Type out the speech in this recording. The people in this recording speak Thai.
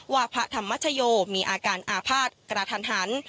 พระธรรมชโยมีอาการอาภาษณ์กระทันหัน